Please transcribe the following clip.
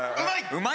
「うまい！」